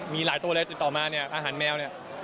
มีหลายตัวเล็กต่อมาอาหารแมวนี่